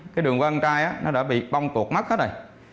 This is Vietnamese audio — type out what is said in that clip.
cái đường con trai nó đã bị bong tuột mắt hết rồi